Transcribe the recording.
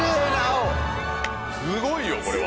すごいよこれは。